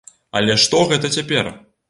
Але што гэта цяпер!